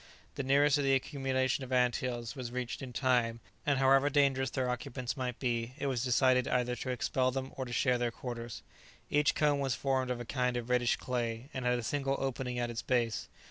The nearest of the accumulation of ant hills was reached in time, and however dangerous their occupants might be, it was decided either to expel them, or to share their quarters. Each cone was formed of a kind of reddish clay, and had a single opening at its base.